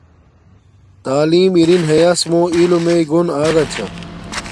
تعیلم ارین ہیاس موں علم میے گون آگا چھا